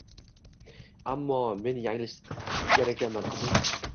Ammo men yanglishgan ekanman, qizim.